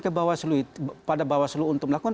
ke bawaslu pada bawaslu untuk melakukan